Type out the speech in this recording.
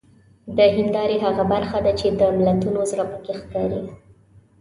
د هیندارې هغه برخه ده چې د ملتونو زړه پکې ښکاري.